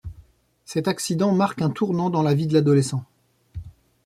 Cet accident marque un tournant dans la vie de l'adolescent.